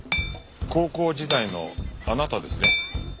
高校時代のあなたですね？